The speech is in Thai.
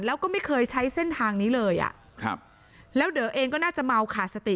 แล้วก็ไม่เคยใช้เส้นทางนี้เลยอ่ะครับแล้วเดอเองก็น่าจะเมาขาดสติ